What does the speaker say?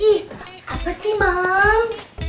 ih apa sih mams